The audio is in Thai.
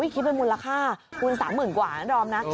คิดเป็นมูลค่าคุณ๓๐๐๐กว่านะดอมนะ